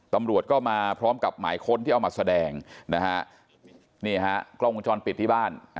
ตำรวจก็มาพร้อมกับหมายค้นที่เอามาแสดงนะฮะนี่ฮะกล้องวงจรปิดที่บ้าน